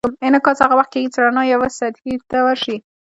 انعکاس هغه وخت کېږي چې رڼا یوې سطحې ته ورشي.